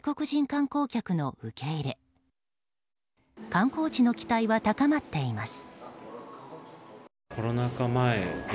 観光地の期待は高まっています。